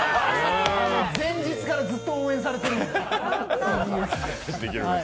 前日からずっと応援されてるんで、ＴＢＳで。